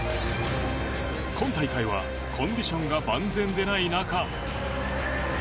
今大会はコンディションが万全でない中。